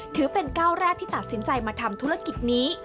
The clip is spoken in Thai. ถือเป็นก้าวแรกที่ตัดสินใจมาทำธุรกิจนี้